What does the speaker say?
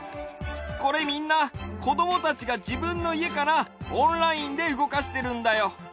これみんなこどもたちがじぶんのいえからオンラインでうごかしてるんだよ。